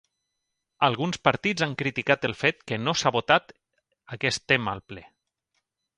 Alguns partits han criticat el fet que no s'ha votat aquest tema al ple.